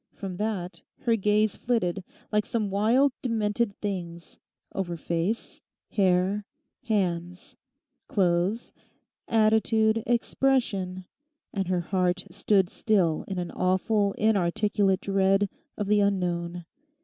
From that her gaze flitted, like some wild demented thing's, over face, hair, hands, clothes, attitude, expression, and her heart stood still in an awful, inarticulate dread of the unknown.